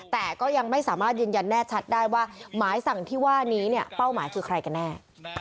แต่ก็ยังไม่สามารถยืนยันแน่ชัดได้ว่าหมายสั่งที่ว่านี้เนี่ยเป้าหมายคือใครกันแน่